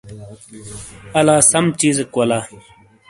الا سم چیزیک ولا ۔